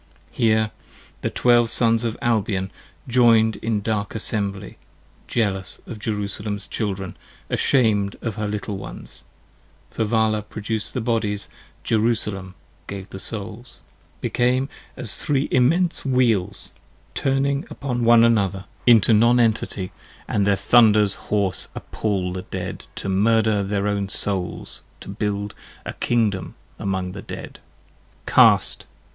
5 Here the Twelve Sons of Albion, join'd in dark Assembly, Jealous of Jerusalem's children, asham'd of her little ones, (For Vala produc'd the Bodies, Jerusalem gave the Souls) Became as Three Immense Wheels, turning upon one another 18 Into Non Entity, and their thunders hoarse appall the Dead, 10 To murder their own Souls, to build a Kingdom among the Dead. Cast!